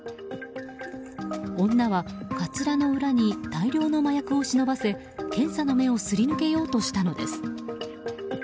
女は、かつらの裏に大量の麻薬を忍ばせ検査の目をすり抜けようとしたのです。